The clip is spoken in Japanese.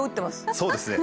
そうですね。